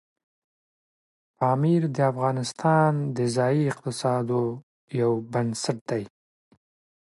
پامیر د افغانستان د ځایي اقتصادونو یو بنسټ دی.